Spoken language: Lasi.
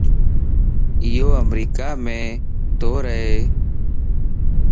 ايو امريڪا مَ تورهه